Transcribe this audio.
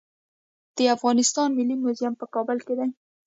د افغانستان ملي موزیم په کابل کې دی